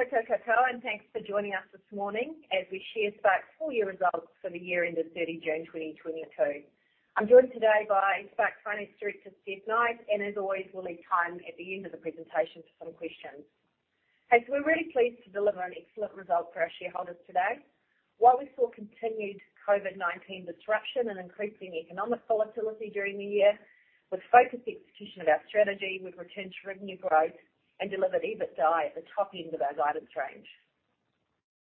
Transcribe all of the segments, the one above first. Thanks for joining us this morning as we share Spark's full year results for the year ending 30 June 2022. I'm joined today by Spark's Finance Director, Stefan Knight, and as always, we'll leave time at the end of the presentation for some questions. We're really pleased to deliver an excellent result for our shareholders today. While we saw continued COVID-19 disruption and increasing economic volatility during the year, with focused execution of our strategy, we've returned to revenue growth and delivered EBITDA at the top end of our guidance range.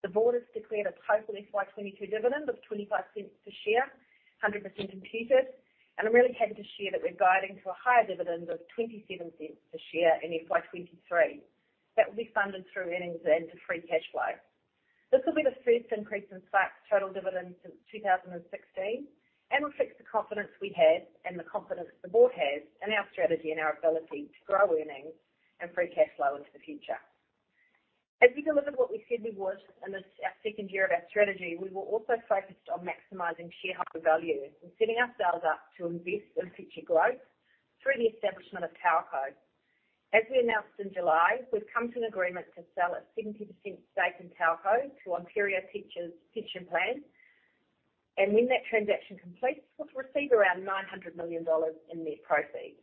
The board has declared a total FY 2022 dividend of 0.25 per share, 100% imputed. I'm really happy to share that we're guiding to a higher dividend of 0.27 per share in FY 2023. That will be funded through earnings and free cash flow. This will be the first increase in Spark's total dividend since 2016 and reflects the confidence we have and the confidence the board has in our strategy and our ability to grow earnings and free cash flow into the future. As we delivered what we said we would in this, our second year of our strategy, we were also focused on maximizing shareholder value and setting ourselves up to invest in future growth through the establishment of TowerCo. As we announced in July, we've come to an agreement to sell a 70% stake in TowerCo to Ontario Teachers' Pension Plan. When that transaction completes, we'll receive around 900 million dollars in net proceeds.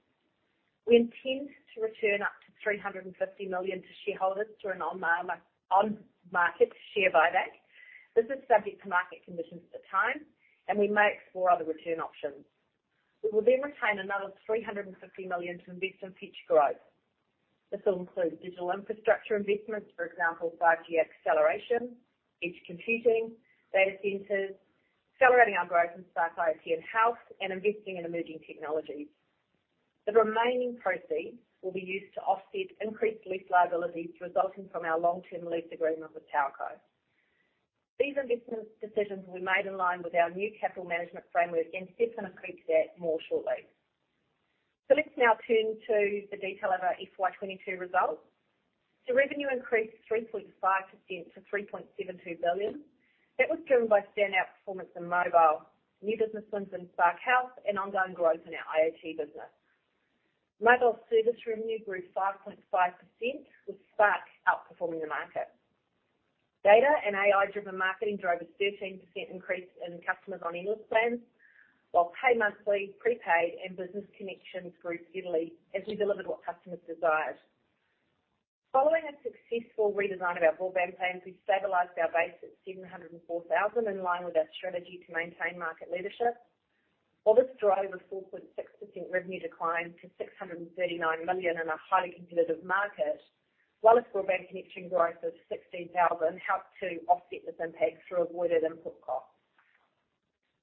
We intend to return up to 350 million to shareholders through an on-market share buyback. This is subject to market conditions at the time, and we may explore other return options. We will then retain another 350 million to invest in future growth. This'll include digital infrastructure investments, for example, 5G acceleration, edge computing, data centers, accelerating our growth in Spark IoT and Spark Health, and investing in emerging technologies. The remaining proceeds will be used to offset increased lease liabilities resulting from our long-term lease agreement with TowerCo. These investment decisions will be made in line with our new capital management framework, and Stefan's gonna speak to that more shortly. Let's now turn to the detail of our FY 2022 results. Revenue increased 3.5% to 3.72 billion. That was driven by standout performance in mobile, new business wins in Spark Health, and ongoing growth in our IoT business. Mobile service revenue grew 5.5%, with Spark outperforming the market. Data and AI-driven marketing drove a 13% increase in customers on endless plans, while pay monthly, prepaid, and business connections grew steadily as we delivered what customers desired. Following a successful redesign of our broadband plans, we've stabilized our base at 704,000, in line with our strategy to maintain market leadership. While this drove a 4.6% revenue decline to 639 million in a highly competitive market, wireless broadband connection growth of 16,000 helped to offset this impact through avoided input costs.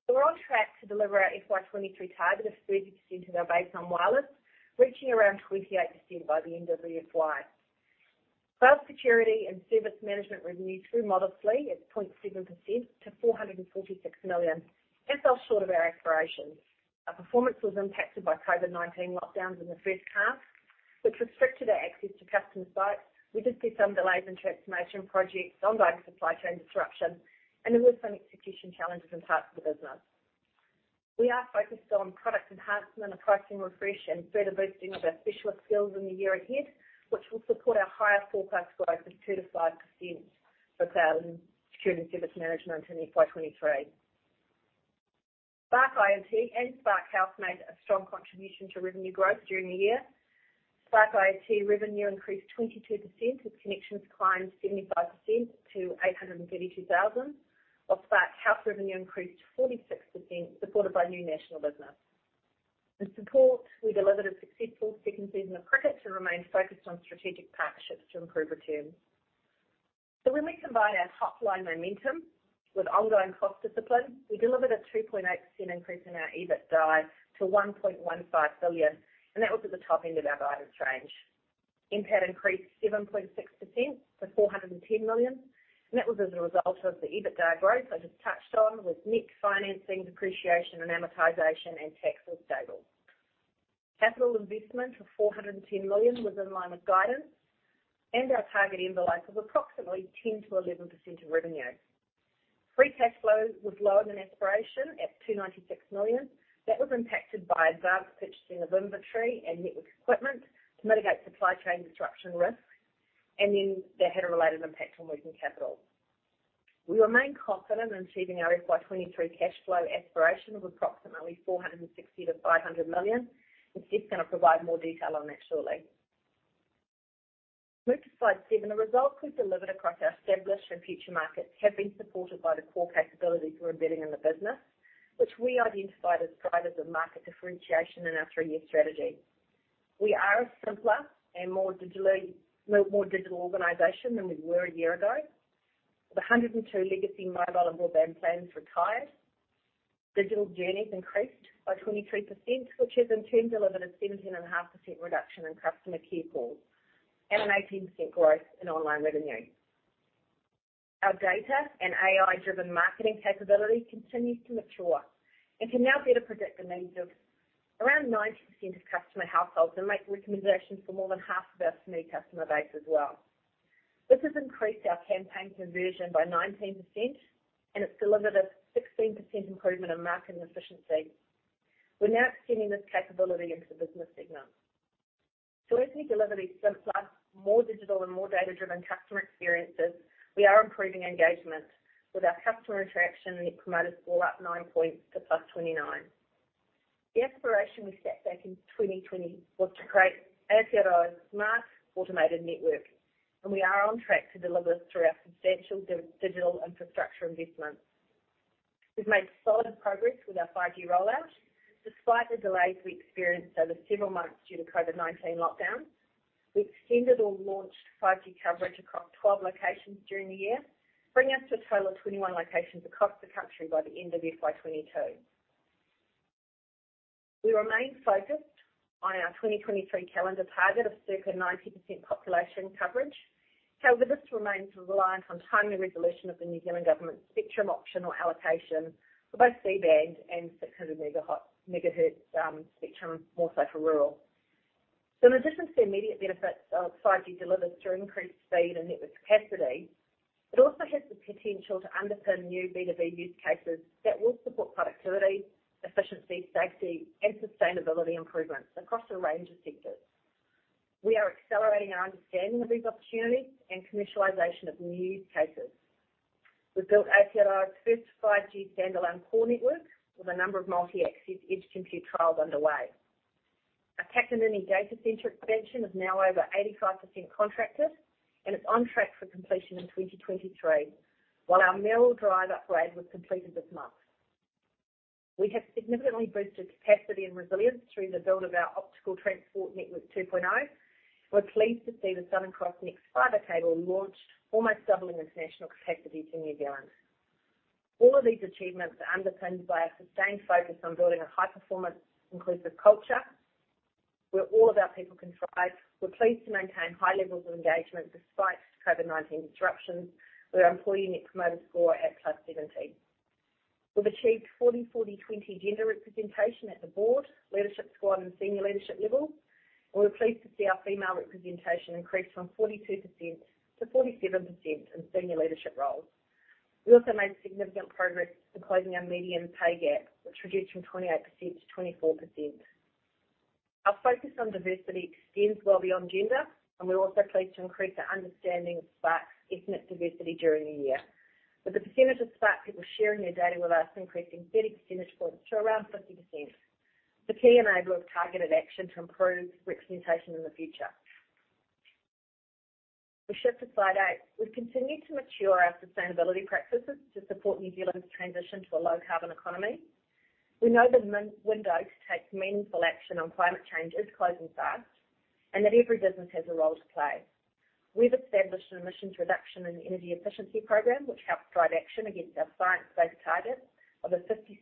We're on track to deliver our FY 2023 target of 30% of our base on wireless, reaching around 28% by the end of the FY. Cloud security and service management revenue grew modestly at 0.7% to 446 million and fell short of our aspirations. Our performance was impacted by COVID-19 lockdowns in the first half, which restricted our access to customer sites. We did see some delays in transformation projects, ongoing supply chain disruption, and there were some execution challenges in parts of the business. We are focused on product enhancement, a pricing refresh, and further boosting of our specialist skills in the year ahead, which will support our higher forecast growth of 2%-5% for cloud security and service management in FY 2023. Spark IoT and Spark Health made a strong contribution to revenue growth during the year. Spark IoT revenue increased 22% as connections climbed 75% to 832,000, while Spark Health revenue increased 46%, supported by new national business. In support, we delivered a successful second season of cricket to remain focused on strategic partnerships to improve returns. When we combine our top-line momentum with ongoing cost discipline, we delivered a 2.8% increase in our EBITDA to 1.15 billion, and that was at the top end of our guidance range. NPAT increased 7.6% to 410 million, and that was as a result of the EBITDA growth I just touched on with Nick, financing, depreciation and amortization, and tax were stable. Capital investment of 410 million was in line with guidance and our target envelope of approximately 10%-11% of revenue. Free cash flow was lower than aspiration at 296 million. That was impacted by advanced purchasing of inventory and network equipment to mitigate supply chain disruption risks, and then that had a related impact on working capital. We remain confident in achieving our FY 2023 cash flow aspiration of approximately 460 million-500 million, and Stef's gonna provide more detail on that shortly. Move to slide seven. The results we've delivered across our established and future markets have been supported by the core capabilities we're embedding in the business, which we identified as drivers of market differentiation in our three-year strategy. We are a simpler and more digital organization than we were a year ago, with 102 legacy mobile and broadband plans retired. Digital journeys increased by 23%, which has in turn delivered a 17.5% reduction in customer care calls and an 18% growth in online revenue. Our data and AI-driven marketing capability continues to mature and can now better predict the needs of around 90% of customer households and make recommendations for more than half of our SME customer base as well. This has increased our campaign conversion by 19%, and it's delivered a 16% improvement in marketing efficiency. We're now extending this capability into business segments. As we deliver these simplified, more digital and more data-driven customer experiences, we are improving engagement with our customer interaction net promoter score up 9 points to +29. The aspiration we set back in 2020 was to create Aotearoa's smart automated network, and we are on track to deliver through our substantial digital infrastructure investment. We've made solid progress with our 5G rollout. Despite the delays we experienced over several months due to COVID-19 lockdowns, we extended or launched 5G coverage across 12 locations during the year, bringing us to a total of 21 locations across the country by the end of FY 2022. We remain focused on our 2023 calendar target of circa 90% population coverage. However, this remains reliant on timely resolution of the New Zealand government spectrum auction or allocation for both C-band and 600 MHz spectrum, more so for rural. In addition to the immediate benefits of 5G delivered through increased speed and network capacity, it also has the potential to underpin new B2B use cases that will support productivity, efficiency, safety, and sustainability improvements across a range of sectors. We are accelerating our understanding of these opportunities and commercialization of new use cases. We've built Aotearoa's first 5G standalone core network with a number of multi-access edge compute trials underway. Our Kapiti data center expansion is now over 85% contracted, and it's on track for completion in 2023. While our Mayoral Drive upgrade was completed this month. We have significantly boosted capacity and resilience through the build of our Optical Transport Network 2.0. We're pleased to see the Southern Cross NEXT fiber cable launch, almost doubling international capacity to New Zealand. All of these achievements are underpinned by a sustained focus on building a high-performance inclusive culture where all of our people can thrive. We're pleased to maintain high levels of engagement despite COVID-19 disruptions with our employee net promoter score at +70. We've achieved 40/40/20 gender representation at the board, leadership squad, and senior leadership level. We're pleased to see our female representation increase from 42% -47% in senior leadership roles. We also made significant progress to closing our median pay gap, which reduced from 28%-24%. Our focus on diversity extends well beyond gender, and we're also pleased to increase the understanding of Spark's ethnic diversity during the year. With the percentage of Spark people sharing their data with us increasing 30 percentage points to around 50%. The key enabler of targeted action to improve representation in the future. We shift to slide eight. We've continued to mature our sustainability practices to support New Zealand's transition to a low-carbon economy. We know the win-window to take meaningful action on climate change is closing fast and that every business has a role to play. We've established an emissions reduction and energy efficiency program, which helps drive action against our science-based targets of a 56%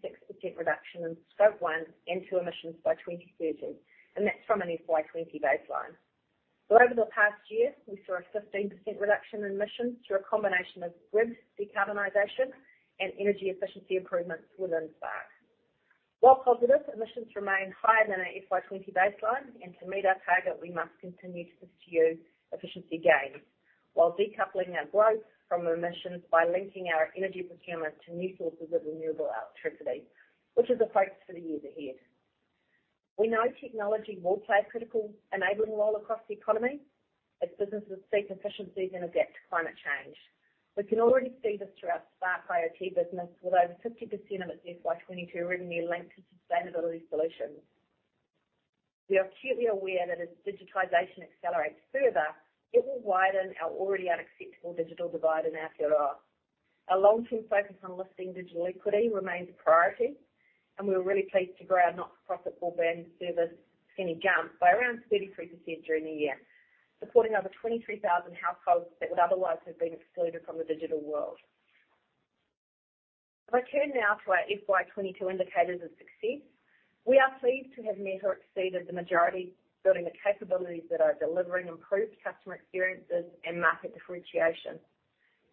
reduction in Scope 1 and 2 emissions by 2030, and that's from an FY 2020 baseline. Over the past year, we saw a 15% reduction in emissions through a combination of grid decarbonization and energy efficiency improvements within Spark. While positive, emissions remain higher than our FY 20 baseline, and to meet our target, we must continue to pursue efficiency gains while decoupling our growth from emissions by linking our energy procurement to new sources of renewable electricity, which is a focus for the years ahead. We know technology will play a critical enabling role across the economy as businesses seek efficiencies and adapt to climate change. We can already see this through our Spark IoT business with over 50% of its FY 22 revenue linked to sustainability solutions. We are acutely aware that as digitization accelerates further, it will widen our already unacceptable digital divide in Aotearoa. A long-term focus on lifting digital equity remains a priority, and we're really pleased to grow our not-for-profit broadband service, Skinny Jump, by around 33% during the year, supporting over 23,000 households that would otherwise have been excluded from the digital world. If I turn now to our FY 2022 indicators of success. We are pleased to have met or exceeded the majority, building the capabilities that are delivering improved customer experiences and market differentiation,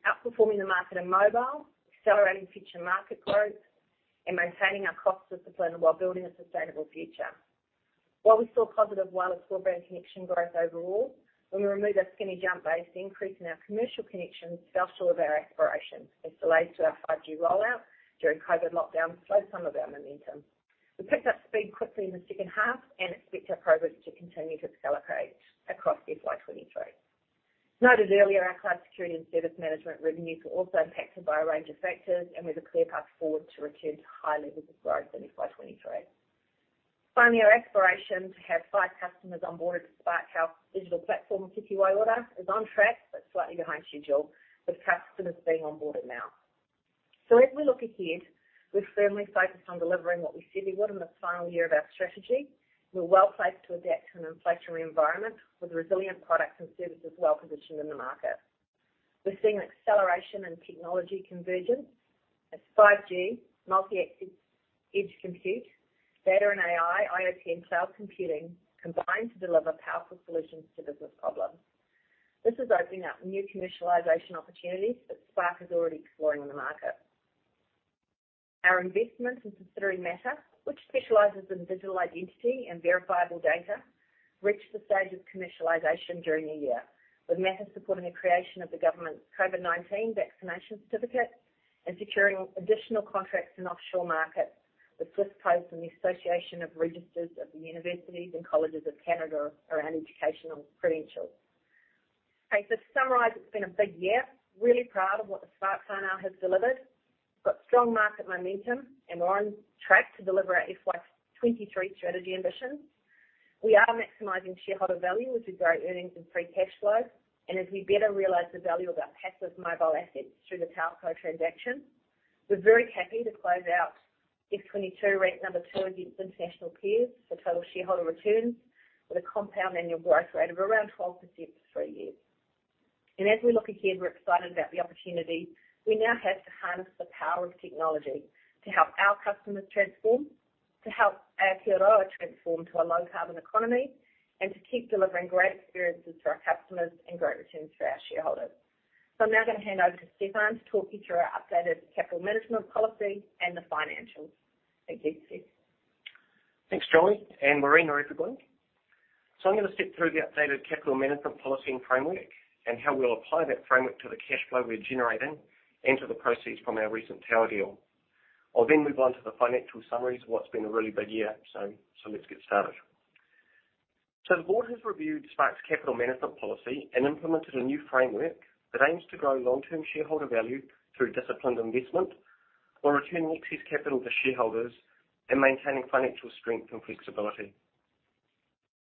outperforming the market in mobile, accelerating future market growth, and maintaining our cost discipline while building a sustainable future. While we saw positive wireless broadband connection growth overall, when we remove our Skinny Jump base, the increase in our commercial connections fell short of our aspirations as delays to our 5G rollout during COVID lockdowns slowed some of our momentum. We picked up speed quickly in the second half and expect our progress to continue to accelerate across FY 2023. Noted earlier, our cloud security and service management revenues were also impacted by a range of factors, and we have a clear path forward to return to high levels of growth in FY 2023. Finally, our aspiration to have five customers onboarded to Spark Health digital platform Tui Ora is on track but slightly behind schedule, with customers being onboarded now. As we look ahead, we're firmly focused on delivering what we said we would in the final year of our strategy. We're well placed to adapt to an inflationary environment with resilient products and services well-positioned in the market. We're seeing an acceleration in technology convergence as 5G, Multi-access Edge Compute, data and AI, IoT, and cloud computing combine to deliver powerful solutions to business problems. This is opening up new commercialization opportunities that Spark is already exploring in the market. Our investment in Mattr, which specializes in digital identity and verifiable data, reached the stage of commercialization during the year, with Mattr supporting the creation of the government's COVID-19 vaccination certificate and securing additional contracts in offshore markets with Swiss Post and the Association of Registrars of the Universities and Colleges of Canada around educational credentials. Okay. To summarize, it's been a big year. Really proud of what the Spark team has delivered. Got strong market momentum, and we're on track to deliver our FY 2023 strategy ambitions. We are maximizing shareholder value, which is great earnings and free cash flow. As we better realize the value of our passive mobile assets through the TowerCo transaction, we're very happy to close out FY 2022 ranked number two against international peers for total shareholder returns with a compound annual growth rate of around 12% for three years. As we look ahead, we're excited about the opportunity we now have to harness the power of technology to help our customers transform, to help Aotearoa transform to a low-carbon economy, and to keep delivering great experiences for our customers and great returns for our shareholders. I'm now gonna hand over to Stefan to talk you through our updated capital management policy and the financials. Thank you, Stefan. Thanks, Jolie, and good morning, everyone. I'm gonna step through the updated capital management policy and framework and how we'll apply that framework to the cash flow we're generating and to the proceeds from our recent TowerCo deal. I'll then move on to the financial summaries of what's been a really big year. Let's get started. The board has reviewed Spark's capital management policy and implemented a new framework that aims to grow long-term shareholder value through disciplined investment, while returning excess capital to shareholders, and maintaining financial strength and flexibility.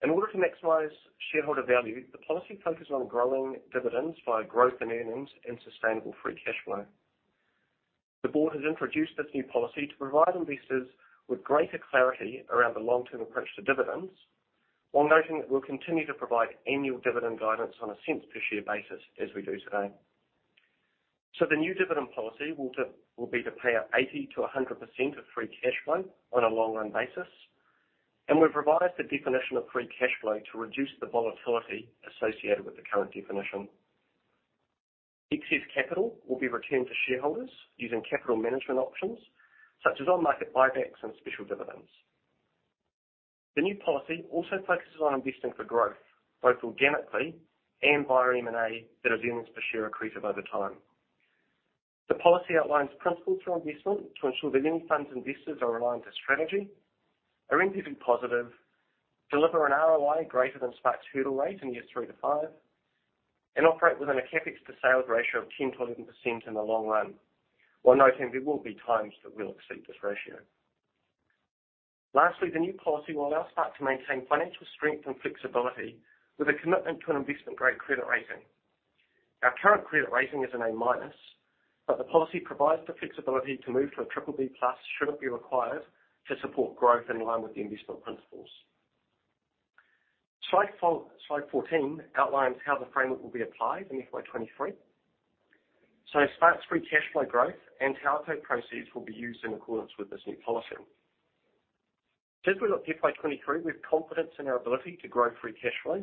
In order to maximize shareholder value, the policy focuses on growing dividends via growth in earnings and sustainable free cash flow. The board has introduced this new policy to provide investors with greater clarity around the long-term approach to dividends, while noting that we'll continue to provide annual dividend guidance on a cents per share basis as we do today. The new dividend policy will be to pay out 80%-100% of free cash flow on a long-run basis. We've revised the definition of free cash flow to reduce the volatility associated with the current definition. Excess capital will be returned to shareholders using capital management options such as on-market buybacks and special dividends. The new policy also focuses on investing for growth, both organically and via M&A, that earnings per share accretive over time. The policy outlines principles for investment to ensure that any funds invested are aligned to strategy, are NPV positive, deliver an ROI greater than Spark's hurdle rate in years 3-5, and operate within a CapEx to sales ratio of 10%-11% in the long run. While noting there will be times that we'll exceed this ratio. Lastly, the new policy will allow Spark to maintain financial strength and flexibility with a commitment to an investment-grade credit rating. Our current credit rating is an A-, but the policy provides the flexibility to move to a BBB+ should it be required to support growth in line with the investment principles. Slide 14 outlines how the framework will be applied in FY 2023. As far as free cash flow growth and TowerCo proceeds will be used in accordance with this new policy. We look to FY 2023 with confidence in our ability to grow free cash flow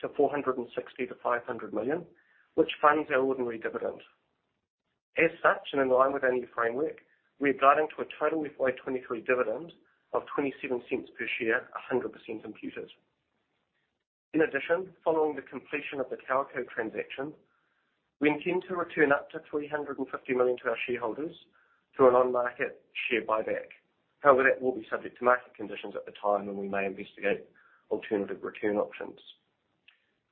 to 460 million-500 million, which funds our ordinary dividend. Such, in line with our new framework, we're guiding to a total FY 2023 dividend of 0.27 per share, 100% imputed. In addition, following the completion of the TowerCo transaction, we intend to return up to 350 million to our shareholders through an on-market share buyback. However, that will be subject to market conditions at the time, and we may investigate alternative return options.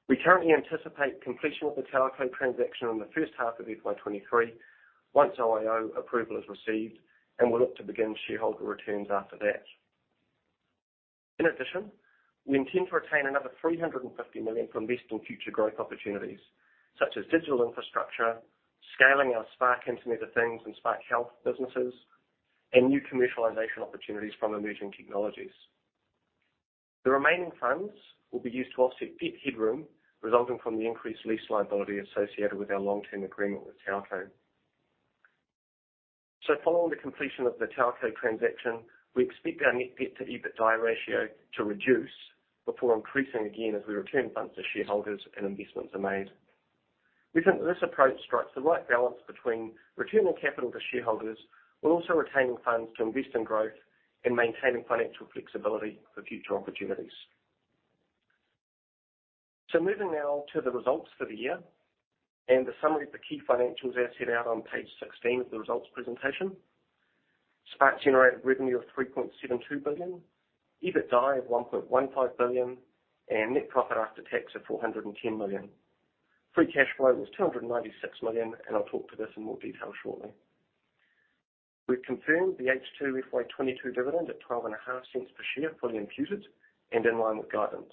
We currently anticipate completion of the TowerCo transaction in the first half of FY 2023 once OIO approval is received, and we look to begin shareholder returns after that. In addition, we intend to retain another 350 million for investing future growth opportunities such as digital infrastructure, scaling our Spark Internet of Things, and Spark Health businesses, and new commercialization opportunities from emerging technologies. The remaining funds will be used to offset debt headroom resulting from the increased lease liability associated with our long-term agreement with TowerCo. Following the completion of the TowerCo transaction, we expect our net debt to EBITDA ratio to reduce before increasing again as we return funds to shareholders and investments are made. We think this approach strikes the right balance between returning capital to shareholders, while also retaining funds to invest in growth and maintaining financial flexibility for future opportunities. Moving now to the results for the year and the summary of the key financials as set out on page 16 of the results presentation. Spark generated revenue of 3.72 billion, EBITDA of 1.15 billion, and net profit after tax of 410 million. Free cash flow was 296 million, and I'll talk to this in more detail shortly. We've confirmed the H2 FY 2022 dividend at 12.5 cents per share, fully imputed and in line with guidance.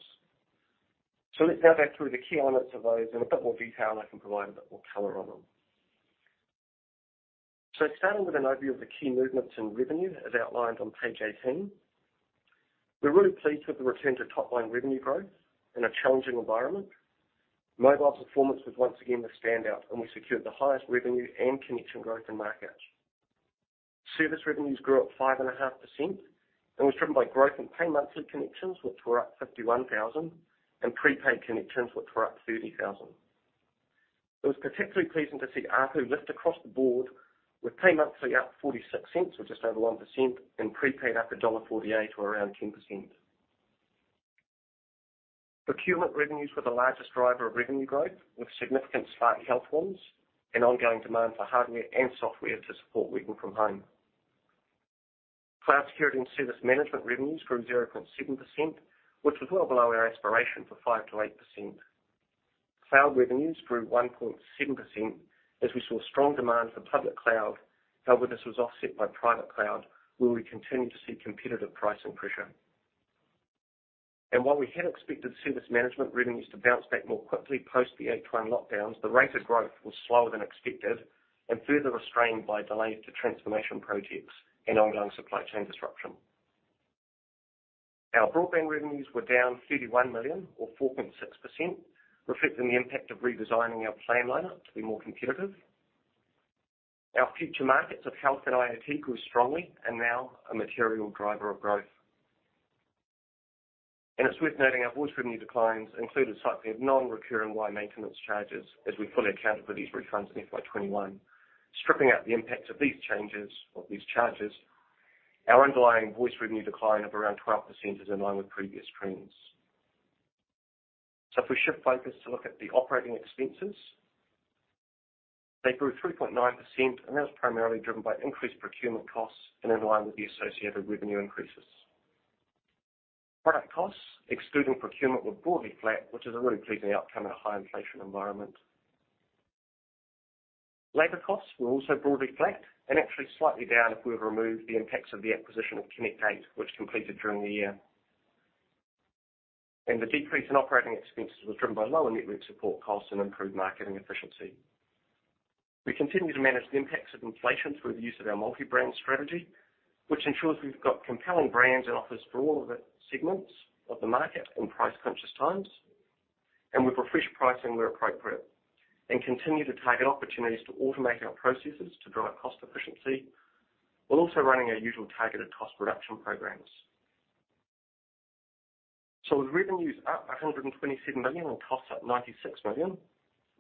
Let's now go through the key elements of those in a bit more detail, and I can provide a bit more color on them. Starting with an overview of the key movements in revenue as outlined on page 18. We're really pleased with the return to top-line revenue growth in a challenging environment. Mobile performance was once again the standout, and we secured the highest revenue and connection growth in market. Service revenues grew at 5.5% and was driven by growth in pay monthly connections, which were up 51,000, and prepaid connections, which were up 30,000. It was particularly pleasing to see ARPU lift across the board with pay monthly up 0.46, or just over 1%, and prepaid up dollar 1.48 or around 10%. Procurement revenues were the largest driver of revenue growth, with significant spike in health forms and ongoing demand for hardware and software to support working from home. Cloud security and service management revenues grew 0.7%, which was well below our aspiration for 5%-8%. Cloud revenues grew 1.7% as we saw strong demand for public cloud. However, this was offset by private cloud, where we continue to see competitive pricing pressure. While we had expected service management revenues to bounce back more quickly post the 81 lockdowns, the rate of growth was slower than expected and further restrained by delays to transformation projects and ongoing supply chain disruption. Our broadband revenues were down 31 million or 4.6%, reflecting the impact of redesigning our plan lineup to be more competitive. Our future markets of health and IoT grew strongly and now a material driver of growth. It's worth noting our voice revenue declines included a cycle of non-recurring wire maintenance charges as we fully accounted for these refunds in FY 2021. Stripping out the impact of these changes or these charges, our underlying voice revenue decline of around 12% is in line with previous trends. If we shift focus to look at the operating expenses, they grew 3.9%, and that was primarily driven by increased procurement costs and in line with the associated revenue increases. Product costs, excluding procurement, were broadly flat, which is a really pleasing outcome in a high inflation environment. Labor costs were also broadly flat and actually slightly down if we've removed the impacts of the acquisition of Connect 8, which completed during the year. The decrease in operating expenses was driven by lower network support costs and improved marketing efficiency. We continue to manage the impacts of inflation through the use of our multi-brand strategy, which ensures we've got compelling brands and offers for all of the segments of the market in price-conscious times. We've refreshed pricing where appropriate and continue to target opportunities to automate our processes to drive cost efficiency, while also running our usual targeted cost reduction programs. With revenues up 127 million and costs up 96 million,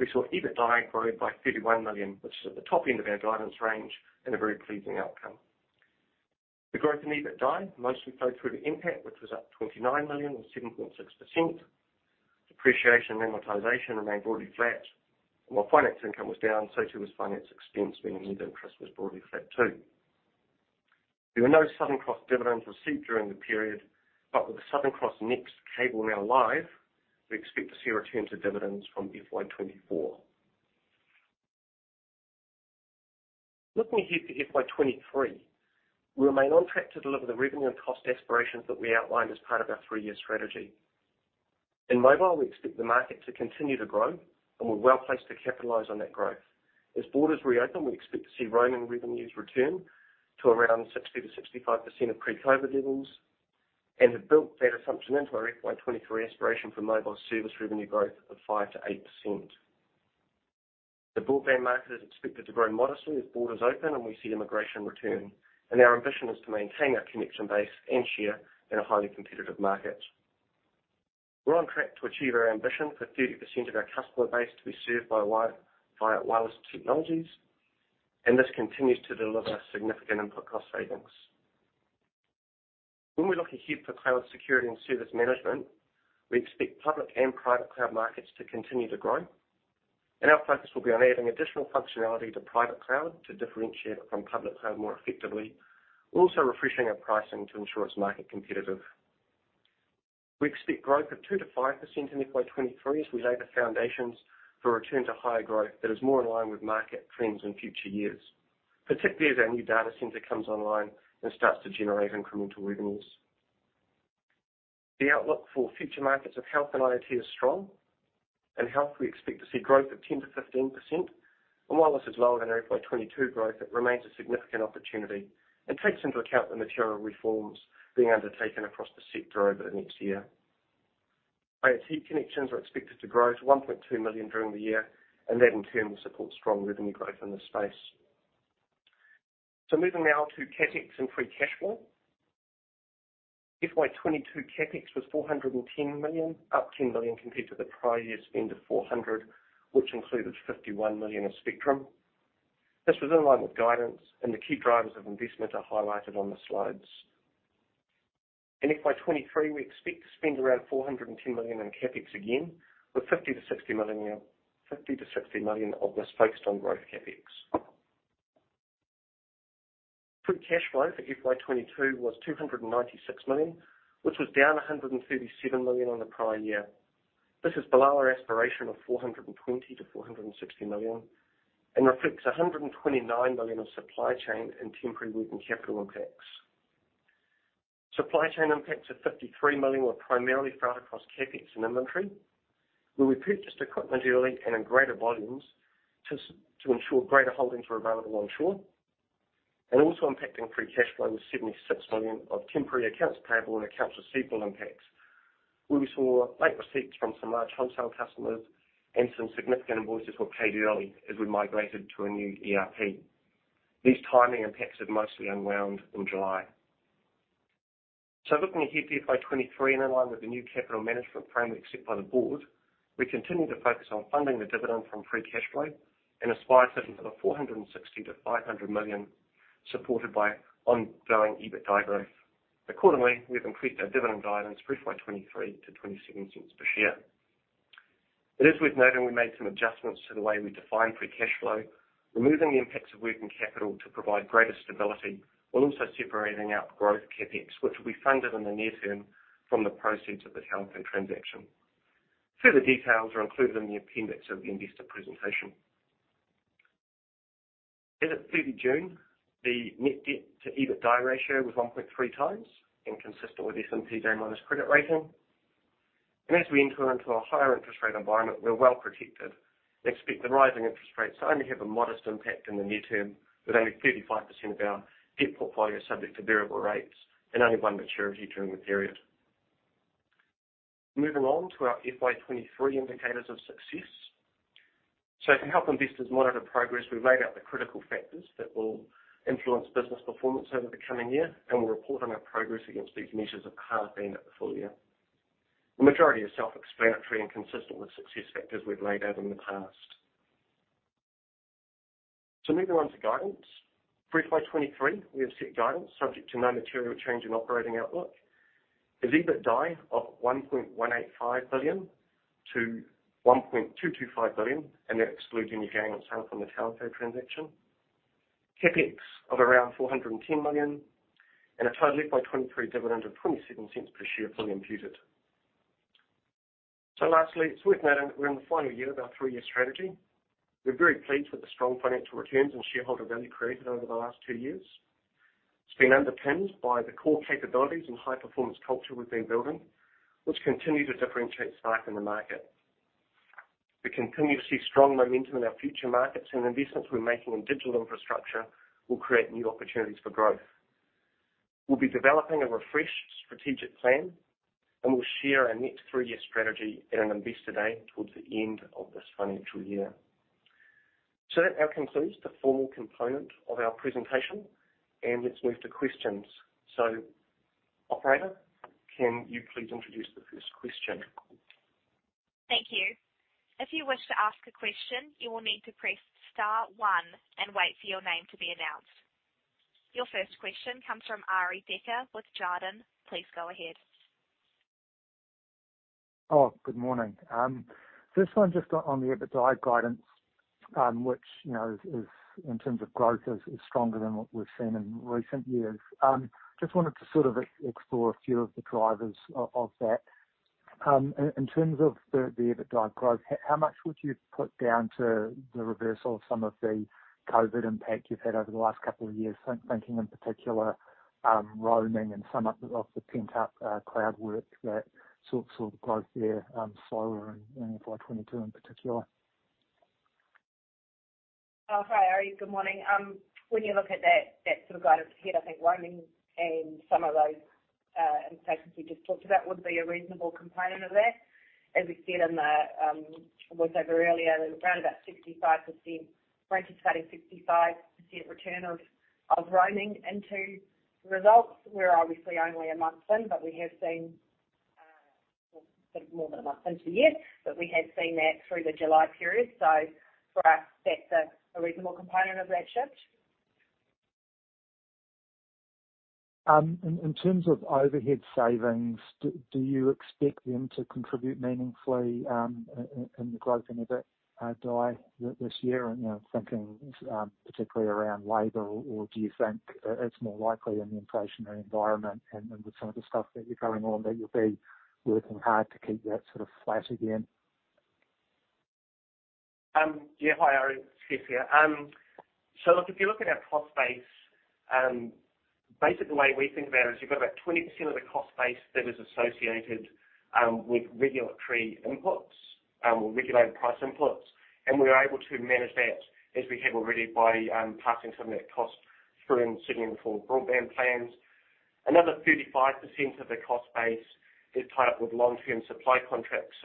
we saw EBITDA grow by 51 million, which is at the top end of our guidance range and a very pleasing outcome. The growth in EBITDA mostly flowed through to NPAT, which was up 29 million or 7.6%. Depreciation and amortization remained broadly flat, and while finance income was down, so too was finance expense, meaning net interest was broadly flat too. There were no Southern Cross dividends received during the period, but with the Southern Cross NEXT cable now live, we expect to see a return to dividends from FY 2024. Looking ahead to FY 2023, we remain on track to deliver the revenue and cost aspirations that we outlined as part of our three-year strategy. In mobile, we expect the market to continue to grow, and we're well-placed to capitalize on that growth. As borders reopen, we expect to see roaming revenues return to around 60%-65% of pre-COVID levels and have built that assumption into our FY 2023 aspiration for mobile service revenue growth of 5%-8%. The broadband market is expected to grow modestly as borders open and we see immigration return. Our ambition is to maintain our connection base and share in a highly competitive market. We're on track to achieve our ambition for 30% of our customer base to be served via wireless technologies, and this continues to deliver significant input cost savings. When we look ahead for cloud security and service management, we expect public and private cloud markets to continue to grow, and our focus will be on adding additional functionality to private cloud to differentiate it from public cloud more effectively, also refreshing our pricing to ensure it's market competitive. We expect growth of 2%-5% in FY 2023 as we lay the foundations for a return to higher growth that is more in line with market trends in future years, particularly as our new data center comes online and starts to generate incremental revenues. The outlook for future markets of health and IoT is strong. In health, we expect to see growth of 10%-15%. While this is lower than our FY 2022 growth, it remains a significant opportunity and takes into account the material reforms being undertaken across the sector over the next year. IoT connections are expected to grow to 1.2 million during the year, and that in turn will support strong revenue growth in this space. Moving now to CapEx and free cash flow. FY 2022 CapEx was 410 million, up 10 million compared to the prior year spend of 400 million, which included 51 million in spectrum. This was in line with guidance, and the key drivers of investment are highlighted on the slides. In FY 2023, we expect to spend around 410 million in CapEx again, with 50-60 million of this focused on growth CapEx. Free cash flow for FY 2022 was 296 million, which was down 137 million on the prior year. This is below our aspiration of 420 million-460 million and reflects 129 million of supply chain and temporary working capital impacts. Supply chain impacts of 53 million were primarily felt across CapEx and inventory, where we purchased equipment early and in greater volumes to ensure greater holdings were available onshore. Also impacting free cash flow was 76 million of temporary accounts payable and accounts receivable impacts, where we saw late receipts from some large wholesale customers and some significant invoices were paid early as we migrated to a new ERP. These timing impacts have mostly unwound in July. Looking ahead to FY23 and in line with the new capital management framework set by the board, we continue to focus on funding the dividend from free cash flow and aspire to between 460 million-500 million, supported by ongoing EBITDA growth. Accordingly, we have increased our dividend guidance for FY23 to 0.27 per share. It is worth noting we made some adjustments to the way we define free cash flow, removing the impacts of working capital to provide greater stability, while also separating out growth CapEx, which will be funded in the near term from the proceeds of the TowerCo transaction. Further details are included in the appendix of the investor presentation. As at 30 June, the net debt to EBITDA ratio was 1.3 times and consistent with S&P BBB credit rating. As we enter into a higher interest rate environment, we're well protected and expect the rising interest rates to only have a modest impact in the near term, with only 35% of our debt portfolio subject to variable rates and only one maturity during the period. Moving on to our FY23 indicators of success. To help investors monitor progress, we've laid out the critical factors that will influence business performance over the coming year, and we'll report on our progress against these measures at halfway and at the full year. The majority are self-explanatory and consistent with success factors we've laid out in the past. Moving on to guidance. For FY23, we have set guidance subject to no material change in operating outlook. The EBITDA of 1.185 billion-1.225 billion, and that excludes any gain on sale from the Telco transaction. CapEx of around 410 million and a total FY23 dividend of 0.27 per share fully imputed. Lastly, it's worth noting that we're in the final year of our three-year strategy. We're very pleased with the strong financial returns and shareholder value created over the last two years. It's been underpinned by the core capabilities and high-performance culture we've been building, which continue to differentiate Spark in the market. We continue to see strong momentum in our future markets, and investments we're making in digital infrastructure will create new opportunities for growth. We'll be developing a refreshed strategic plan, and we'll share our next three-year strategy at an investor day towards the end of this financial year. That now concludes the formal component of our presentation, and let's move to questions. Operator, can you please introduce the first question? Thank you. If you wish to ask a question, you will need to press star one and wait for your name to be announced. Your first question comes from Arie Dekker with Jarden. Please go ahead. Oh, good morning. First one just on the EBITDA guidance, which, you know, is in terms of growth is stronger than what we've seen in recent years. Just wanted to sort of explore a few of the drivers of that. In terms of the EBITDA growth, how much would you put down to the reversal of some of the COVID impact you've had over the last couple of years? Thinking in particular, roaming and some of the pent-up cloud work, that sort of growth there, slower in FY22 in particular. Oh, hi, Arie. Good morning. When you look at that sort of guidance ahead, I think roaming and some of those impacts, as we just talked about, would be a reasonable component of that. As we said in the was over earlier, around about 65%, we're anticipating 65% return of roaming into results. We're obviously only a month in, but we have seen more than a month in, two years. But we have seen that through the July period. For us, that's a reasonable component of that shift. In terms of overhead savings, do you expect them to contribute meaningfully in the growth in EBITDA this year? You know, thinking particularly around labor or do you think it's more likely in the inflationary environment and with some of the stuff that you're going on that you'll be working hard to keep that sort of flat again? Yeah, hi, Arie. Stefan here. Look, if you look at our cost base, basically the way we think about it is you've got about 20% of the cost base that is associated with regulatory inputs or regulated price inputs. We're able to manage that as we have already by passing some of that cost through in pricing for broadband plans. Another 35% of the cost base is tied up with long-term supply contracts.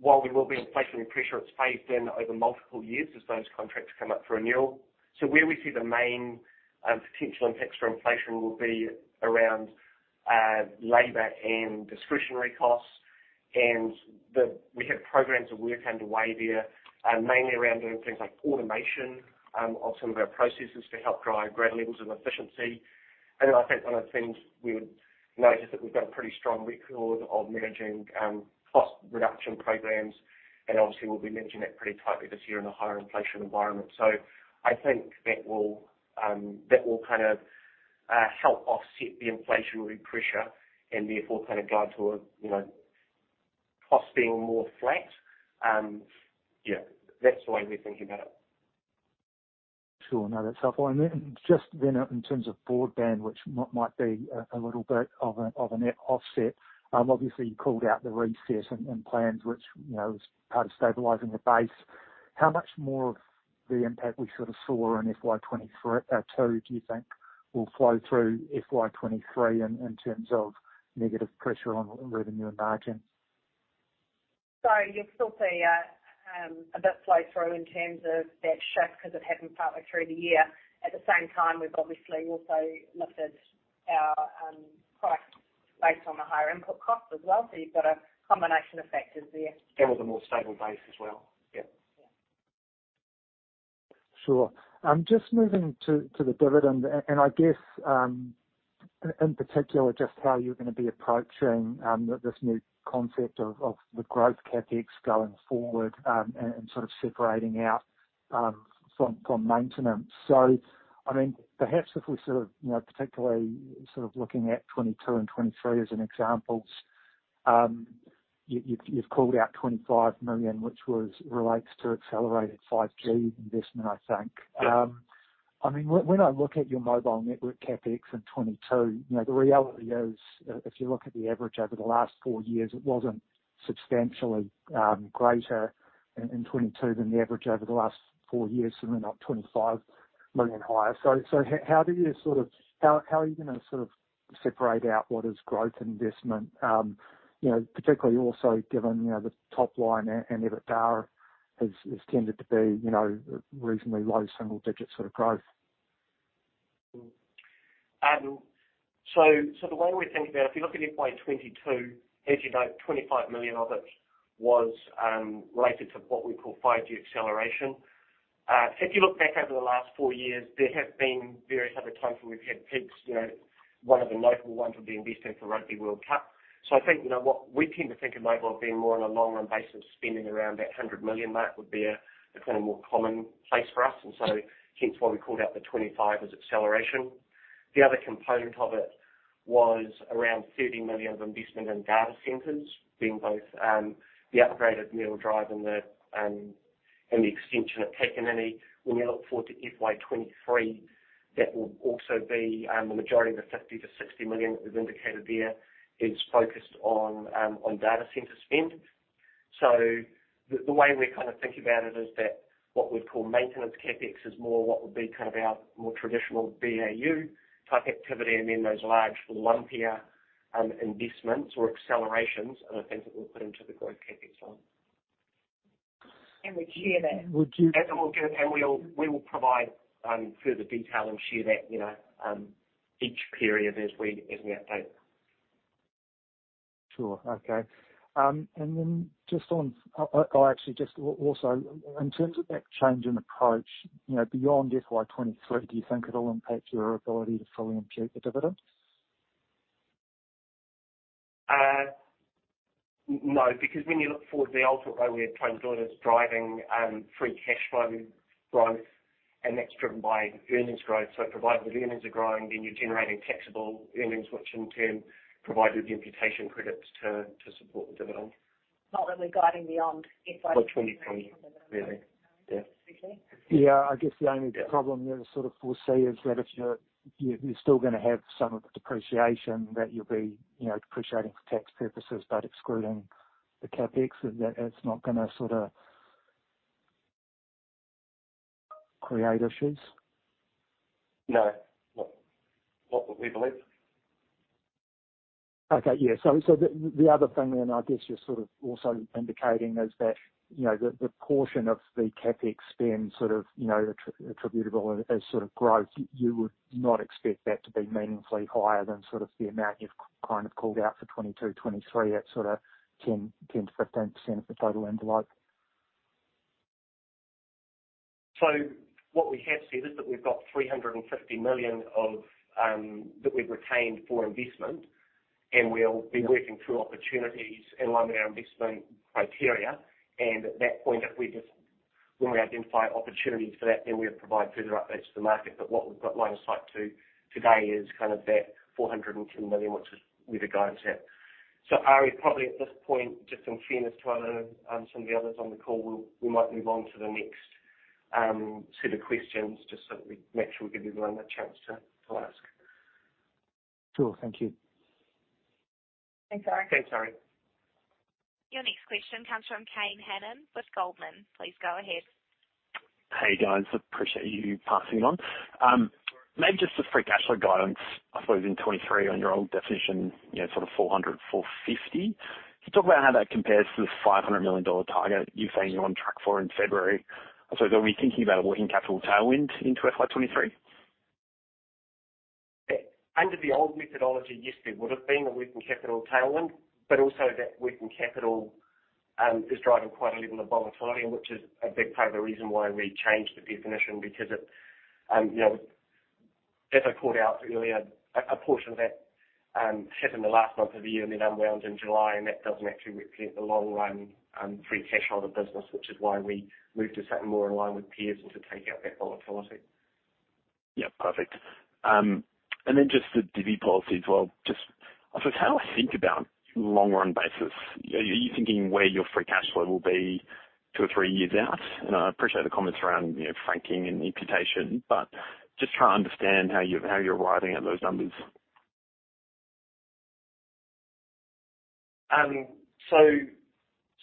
While there will be inflationary pressure, it's phased in over multiple years as those contracts come up for renewal. Where we see the main potential impacts of inflation will be around labor and discretionary costs. We have programs of work underway there, mainly around doing things like automation of some of our processes to help drive greater levels of efficiency. I think one of the things we would notice that we've got a pretty strong record of managing cost reduction programs. Obviously we'll be managing that pretty tightly this year in a higher inflation environment. I think that will kind of help offset the inflationary pressure and therefore kind of guide to a, you know, cost being more flat. Yeah, that's the way we're thinking about it. Sure. No, that's helpful. Then just in terms of broadband, which might be a little bit of a net offset, obviously you called out the reset and plans which, you know, is part of stabilizing the base. How much more of the impact we sort of saw in FY23 too do you think will flow through FY23 in terms of negative pressure on revenue and margins? You'll still see a bit flow through in terms of that shift because it happened partway through the year. At the same time, we've obviously also lifted our price based on the higher input cost as well. You've got a combination of factors there. There was a more stable base as well. Yeah. Yeah. Sure. I'm just moving to the dividend. I guess, in particular, just how you're gonna be approaching this new concept of the growth CapEx going forward, and sort of separating out from maintenance. I mean, perhaps if we sort of, you know, particularly sort of looking at 2022 and 2023 as examples, you've called out 25 million, which relates to accelerated 5G investment, I think. Yeah. I mean, when I look at your mobile network CapEx in 2022, you know, the reality is, if you look at the average over the last four years, it wasn't substantially greater in 2022 than the average over the last four years, certainly not 25 million higher. So how are you gonna sort of separate out what is growth investment? You know, particularly also given, you know, the top line and EBITDA has tended to be, you know, reasonably low single digits sort of growth. The way we're thinking about it, if you look at FY 2022, as you know, 25 million of it was related to what we call 5G acceleration. If you look back over the last four years, there have been various other times where we've had peaks. You know, one of the notable ones would be investing for Rugby World Cup. I think, you know, what we tend to think of mobile as being more on a long-run basis of spending around that 100 million mark would be a kind of more common place for us. Hence why we called out the 25 as acceleration. The other component of it was around 30 million of investment in data centers, being both the upgraded Mayoral Drive and the extension at Takanini. When you look forward to FY 2023, that will also be a majority of the 50 million-60 million that we've indicated there is focused on data center spend. The way we kind of think about it is that what we call maintenance CapEx is more what would be kind of our more traditional BAU type activity, and then those large lumpier investments or accelerations are the things that we'll put into the growth CapEx line. We share that. Would you- We will provide further detail and share that, you know, each period as we update. Sure. Okay. I'll actually just also in terms of that change in approach, you know, beyond FY 2023, do you think it'll impact your ability to fully impute the dividend? No, because when you look forward, the ultimate way we're trying to do it is driving free cash flow growth, and that's driven by earnings growth. Provided the earnings are growing, then you're generating taxable earnings, which in turn provide you the imputation credits to support the dividend. Not that we're guiding beyond FY- Well, 23, really. Yeah. Okay. Yeah. I guess the only problem you sort of foresee is that if you're still gonna have some of the depreciation, that you'll be, you know, depreciating for tax purposes, but excluding the CapEx and that it's not gonna sorta create issues. No. Not that we believe. The other thing then, I guess you're sort of also indicating is that, you know, the portion of the CapEx spend sort of, you know, attributable as sort of growth, you would not expect that to be meaningfully higher than sort of the amount you've kind of called out for 2022, 2023. That sort of 10%-15% of the total envelope. What we have said is that we've got 350 million of that we've retained for investment, and we'll be working through opportunities in line with our investment criteria. At that point, when we identify opportunities for that, then we'll provide further updates to the market. What we've got line of sight to today is kind of that 410 million, which is where the guidance is at. Arie, probably at this point, just in fairness to other some of the others on the call, we might move on to the next set of questions, just so that we make sure we give everyone a chance to ask. Sure. Thank you. Thanks, Arie. Thanks, Arie. Your next question comes from Kane Hannan with Goldman Sachs. Please go ahead. Hey, guys. Appreciate you passing it on. Maybe just the free cash flow guidance, I suppose in 2023 on your old definition, you know, sort of 400 million-450 million. Can you talk about how that compares to the 500 million dollar target you've said you're on track for in February? Are we thinking about a working capital tailwind into FY 2023? Under the old methodology, yes, there would've been a working capital tailwind, but also that working capital is driving quite a level of volatility, which is a big part of the reason why we changed the definition because it, you know, as I called out earlier, a portion of that happened in the last month of the year and then unwound in July. That doesn't actually represent the long-run free cash flow of the business, which is why we moved to something more in line with peers and to take out that volatility. Yeah. Perfect. Just the dividend policy as well. Just, I suppose, how I think about long-run basis. Are you thinking where your free cash flow will be two or three years out? I appreciate the comments around, you know, franking and imputation, but just trying to understand how you're arriving at those numbers.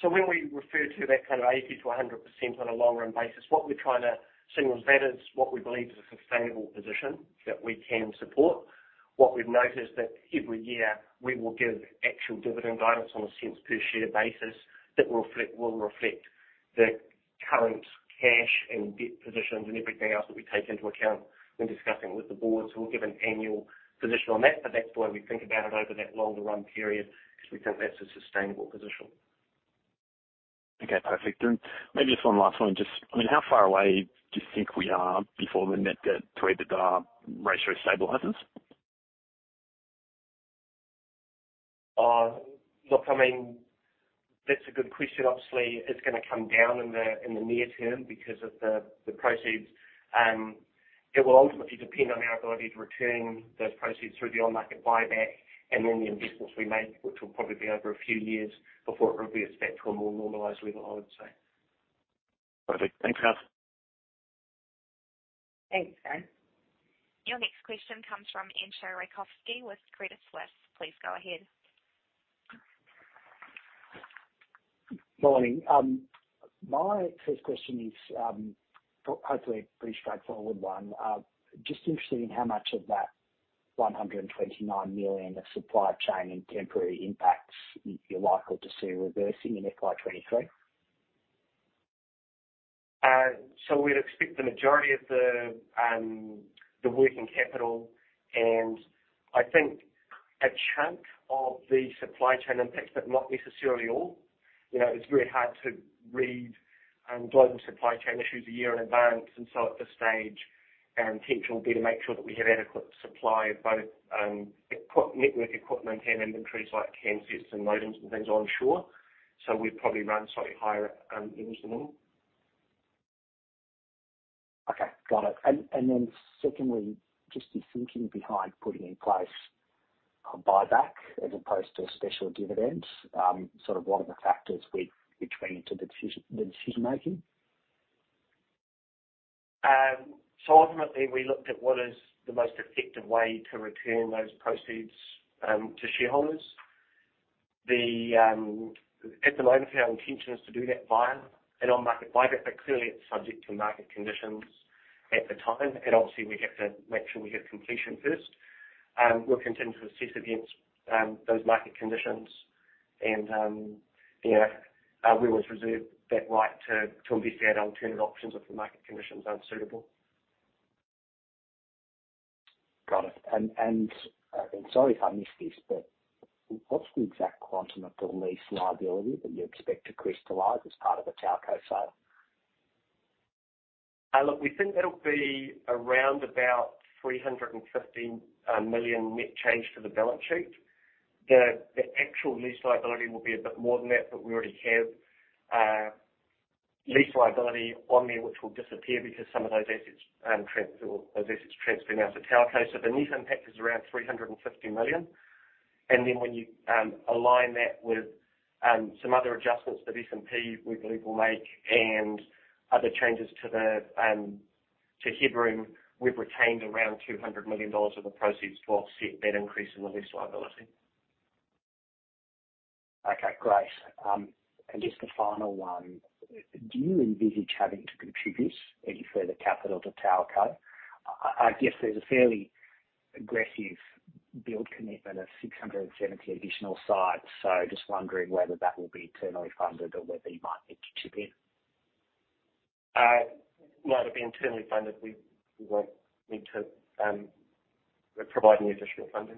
When we to that kind of 80%-100% on a long-run basis. What we're trying to signal is that what we believe is a sustainable position that we can support. What we've noted is that every year we will give actual dividend guidance on a cents per share basis that will reflect the current cash and debt positions and everything else that we take into account when discussing with the board. We'll give an annual position on that. That's the way we think about it over that longer run period, because we think that's a sustainable position. Okay, perfect. Maybe just one last one. Just, I mean, how far away do you think we are before the net debt to EBITDA ratio stabilizes? Look, I mean, that's a good question. Obviously, it's gonna come down in the near term because of the proceeds. It will ultimately depend on our ability to return those proceeds through the on-market buyback and then the investments we make, which will probably be over a few years before it really is back to a more normalized level, I would say. Perfect. Thanks, Stef. Thanks, Kane. Your next question comes from Entcho Raykovski with Credit Suisse. Please go ahead. Morning. My first question is, hopefully a pretty straightforward one. Just interested in how much of that 129 million of supply chain and temporary impacts you're likely to see reversing in FY 2023? We'd expect the majority of the working capital and I think a chunk of the supply chain impacts, but not necessarily all. You know, it's very hard to read global supply chain issues a year in advance. At this stage, our intention will be to make sure that we have adequate supply of both network equipment and inventories like CPE systems and modems and things onshore. We'd probably run slightly higher inventory. Okay, got it. Secondly, just the thinking behind putting in place a buyback as opposed to a special dividend, sort of what are the factors which went into the decision-making? Ultimately we looked at what is the most effective way to return those proceeds to shareholders. At the moment, our intention is to do that via an on-market buyback, but clearly it's subject to market conditions at the time. Obviously we have to make sure we have completion first. We'll continue to assess against those market conditions and we always reserve that right to pursue alternative options if the market conditions aren't suitable. Got it. Sorry if I missed this, but what's the exact quantum of the lease liability that you expect to crystallize as part of the TowerCo sale? Look, we think that'll be around about 350 million net change to the balance sheet. The actual lease liability will be a bit more than that, but we already have lease liability on there, which will disappear because some of those assets transfer now to TowerCo. The net impact is around 350 million. When you align that with some other adjustments that S&P we believe will make and other changes to headroom, we've retained around 200 million dollars of the proceeds to offset that increase in the lease liability. Okay, great. Just a final one. Do you envisage having to contribute any further capital to TowerCo? I guess there's a fairly aggressive build commitment of 670 additional sites. Just wondering whether that will be internally funded or whether you might need to chip in. No, it'll be internally funded. We won't need to provide additional funding.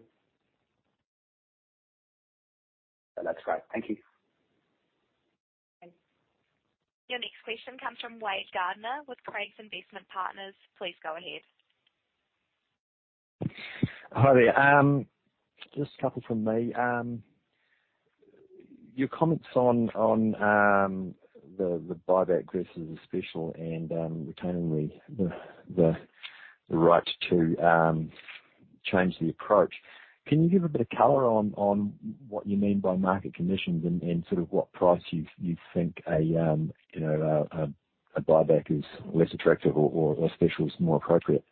That's great. Thank you. Your next question comes from Wade Gardiner with Craigs Investment Partners. Please go ahead. Hi there. Just a couple from me. Your comments on the buyback versus the special and retaining the right to change the approach. Can you give a bit of color on what you mean by market conditions and sort of what price you think, you know, a buyback is less attractive or special is more appropriate?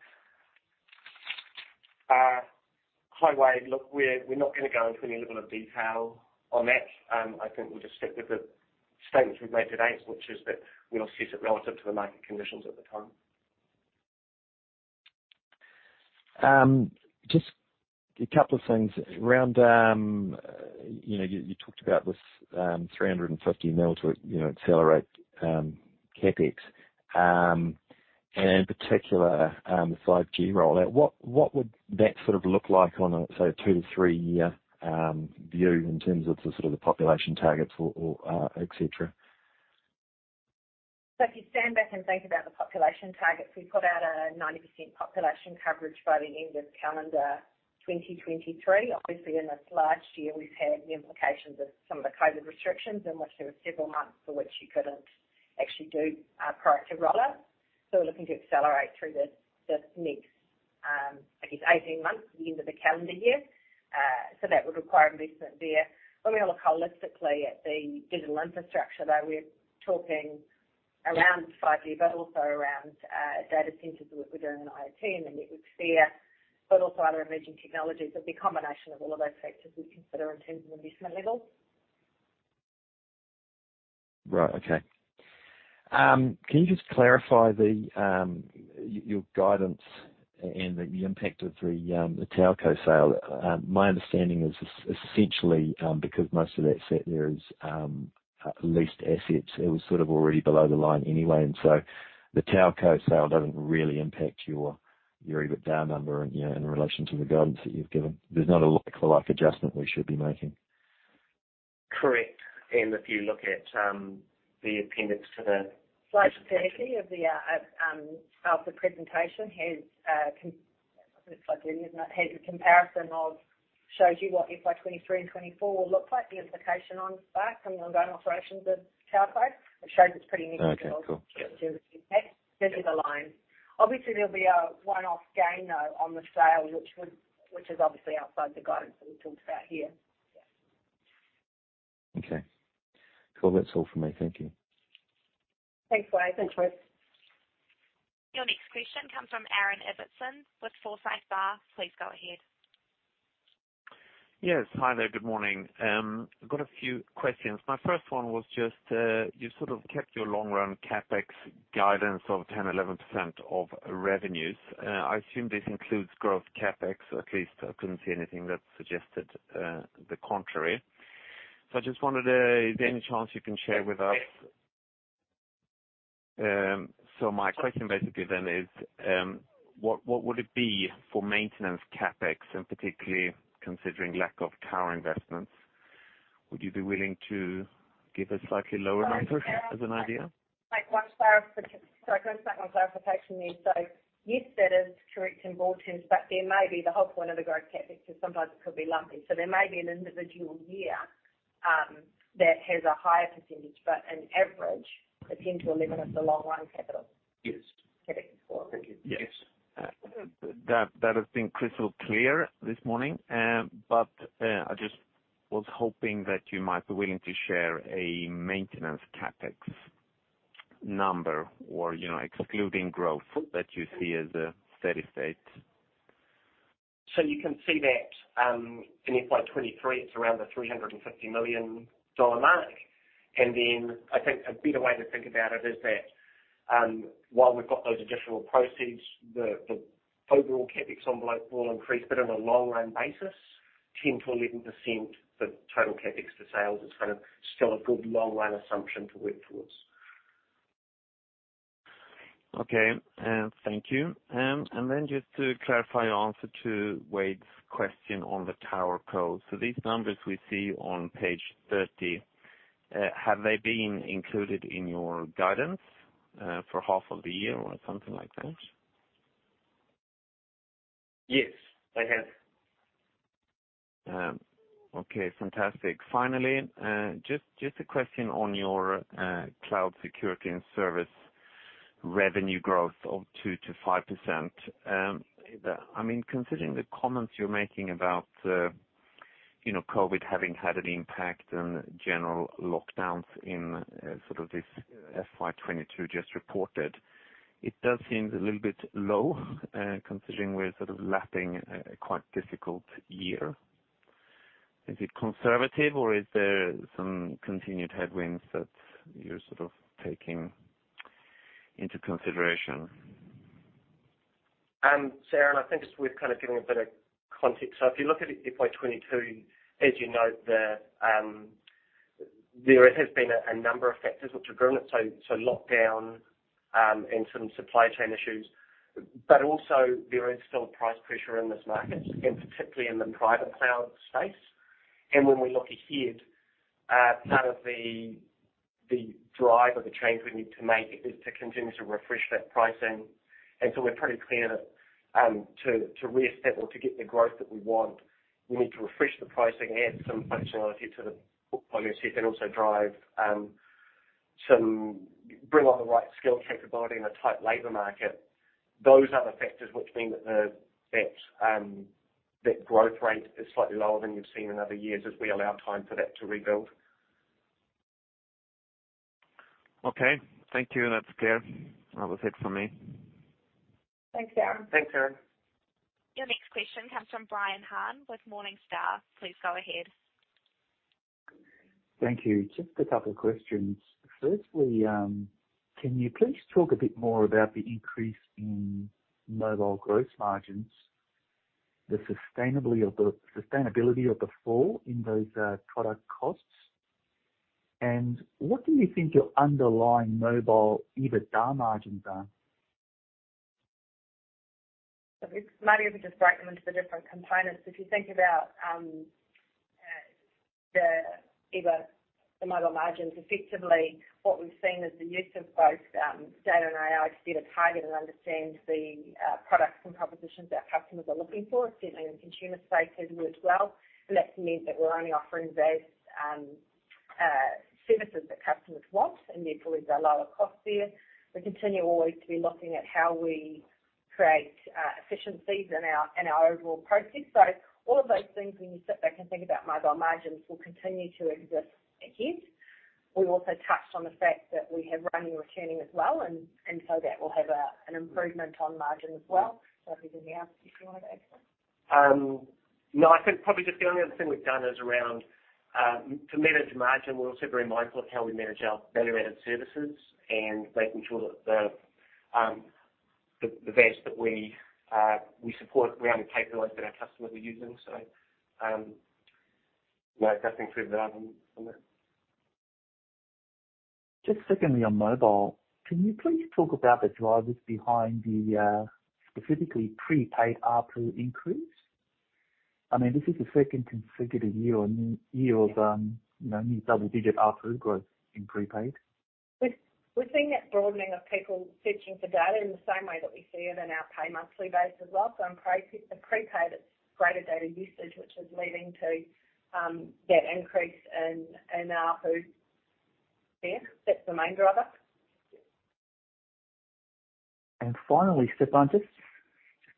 Hi, Wade. Look, we're not gonna go into any level of detail on that. I think we'll just stick with the statements we've made today, which is that we'll assess it relative to the market conditions at the time. Just a couple of things. Around, you know, you talked about this 350 million to, you know, accelerate CapEx, and in particular, the 5G rollout. What would that sort of look like on a, say, a two to three year view in terms of the sort of the population targets or et cetera? If you stand back and think about the population targets, we put out a 90% population coverage by the end of calendar 2023. Obviously, in this last year, we've had the implications of some of the COVID restrictions in which there were several months for which you couldn't actually do proactive rollout. We're looking to accelerate through the next, I guess 18 months to the end of the calendar year. That would require investment there. When we look holistically at the digital infrastructure, though, we're talking around 5G, but also around data centers that we're doing in IoT and the network sphere, but also other emerging technologies. It'll be a combination of all of those sectors we consider in terms of investment levels. Right. Okay. Can you just clarify your guidance and the impact of the TowerCo sale? My understanding is essentially because most of that site there is leased assets. It was sort of already below the line anyway, and so the TowerCo sale doesn't really impact your EBITDA number, you know, in relation to the guidance that you've given. There's not a like for like adjustment we should be making. Correct. If you look at the appendix to the- Slide 30 of the presentation has. I think it's slide 30, isn't it? Shows you what FY 2023 and 2024 will look like, the implication on that from the ongoing operations of TowerCo. It shows it's pretty minimal. Okay, cool. In terms of impact. This is aligned. Obviously, there'll be a one-off gain, though, on the sale which is obviously outside the guidance that we talked about here. Okay. Cool. That's all for me. Thank you. Thanks, Wade. Thanks, Wade. Your next question comes from Aaron Ibbotson with Forsyth Barr. Please go ahead. Yes. Hi there. Good morning. I've got a few questions. My first one was just, you sort of kept your long run CapEx guidance of 10%-11% of revenues. I assume this includes growth CapEx. At least I couldn't see anything that suggested the contrary. I just wondered if there's any chance you can share with us. My question basically then is, what would it be for maintenance CapEx and particularly considering lack of tower investments? Would you be willing to give a slightly lower number as an idea? Like, one clarification. Sorry, can I just make one clarification there. Yes, that is correct in broad terms, but that may be the whole point of the growth CapEx, because sometimes it could be lumpy. There may be an individual year that has a higher percentage, but on average, the 10%-11% is the long run capital. Yes. CapEx for. Thank you. Yes. That has been crystal clear this morning. But I just was hoping that you might be willing to share a maintenance CapEx number or, you know, excluding growth that you see as a steady state. You can see that, in FY 2023, it's around the 350 million dollar mark. Then I think a better way to think about it is that, while we've got those additional proceeds, the overall CapEx envelope will increase, but on a long run basis, 10%-11% for total CapEx for sales is kind of still a good long run assumption to work towards. Okay. Thank you. Just to clarify your answer to Wade's question on the TowerCo. These numbers we see on page 30, have they been included in your guidance for half of the year or something like that? Yes, they have. Okay, fantastic. Finally, just a question on your cloud security and service revenue growth of 2%-5%. I mean, considering the comments you're making about, you know, COVID having had an impact and general lockdowns in sort of this FY 2022 just reported. It does seem a little bit low, considering we're sort of lapping a quite difficult year. Is it conservative or is there some continued headwinds that you're sort of taking into consideration? Aaron, I think it's worth kind of giving a bit of context. If you look at FY 2022, as you note there has been a number of factors which have driven it. Lockdown and some supply chain issues, but also there is still price pressure in this market and particularly in the private cloud space. When we look ahead, part of the drive or the change we need to make is to continue to refresh that pricing. We're pretty clear that to reestablish or to get the growth that we want, we need to refresh the pricing, add some functionality to the portfolio set, and also bring on the right skill capability in a tight labor market. Those are the factors which mean that the growth rate is slightly lower than you've seen in other years as we allow time for that to rebuild. Okay. Thank you. That's clear. That was it for me. Thanks, Aaron. Thanks, Aaron. Your next question comes from Brian Han with Morningstar. Please go ahead. Thank you. Just a couple of questions. Firstly, can you please talk a bit more about the increase in mobile gross margins, the sustainability of the fall in those product costs? What do you think your underlying mobile EBITDA margins are? Maybe if we just break them into the different components. If you think about the EBITDA, the mobile margins, effectively what we've seen is the use of both data and AI to better target and understand the products and propositions our customers are looking for. Certainly in the consumer space has worked well, and that's meant that we're only offering those services that customers want and therefore is a lower cost there. We continue always to be looking at how we create efficiencies in our overall process. All of those things, when you sit back and think about mobile margins, will continue to exist ahead. We also touched on the fact that we have roaming and retailing as well and so that will have an improvement on margin as well. If you can add, if you want to add something. No, I think probably just the only other thing we've done is around to manage margin. We're also very mindful of how we manage our value-added services and making sure that the best that we support around the capabilities that our customers are using. No, nothing further on that. Just secondly, on mobile, can you please talk about the drivers behind the specifically prepaid ARPU increase? I mean, this is the second consecutive year-on-year of, you know, new double-digit ARPU growth in prepaid. We're seeing that broadening of people searching for data in the same way that we see it in our pay monthly base as well. On prepaid, it's greater data usage, which is leading to that increase in ARPU. Yeah, that's the main driver. Finally, Stefan, just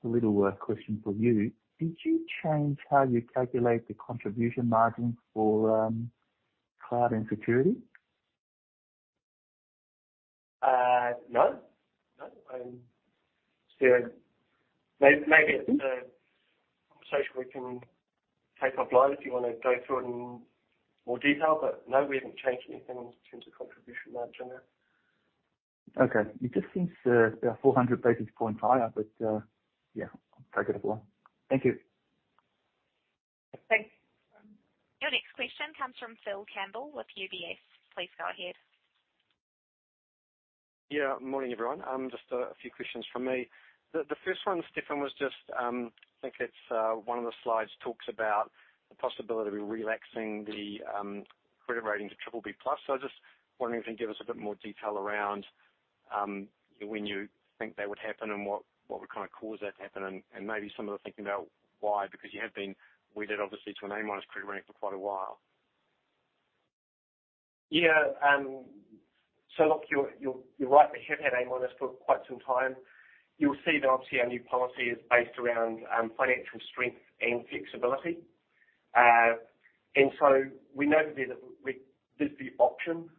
a little question for you. Did you change how you calculate the contribution margin for cloud and security? No. Yeah. Maybe it's a conversation we can take offline if you wanna go through it in more detail, but no, we haven't changed anything in terms of contribution margin there. Okay. It just seems they are 400 basis points higher, but yeah, I'll take it as well. Thank you. Thanks. Your next question comes from Phil Campbell with UBS. Please go ahead. Yeah. Morning, everyone. Just a few questions from me. The first one, Stefan, was just I think it's one of the slides talks about the possibility of relaxing the credit rating to BBB+. I was just wondering if you can give us a bit more detail around when you think that would happen and what would kind of cause that to happen, and maybe some of the thinking about why, because you have been rated obviously to an A- credit rating for quite a while. Yeah. Look, you're right. We have had A- for quite some time. You'll see that obviously our new policy is based around financial strength and flexibility. We noted there that there's the option